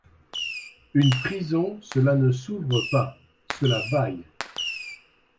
Une prison, cela ne s’ouvre pas, cela bâille.